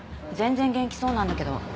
全然元気そうなんだけど。